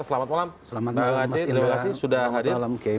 selamat malam pak aceh terima kasih sudah hadir